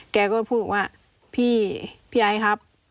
แกก็พูดว่าพี่ไอท์ครับ